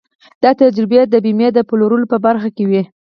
دا تجربې د بيمې د پلورلو په برخه کې وې.